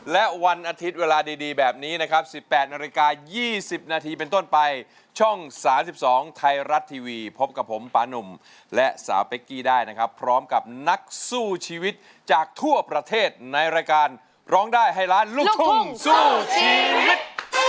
แล้วก็กลับไปกี้ได้นะครับพร้อมกับนักสู้ชีวิตจากทั่วประเทศในรายการร้องได้ให้ล้านลูกทุ่งสู้ชีวิต